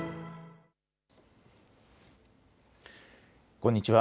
こんにちは。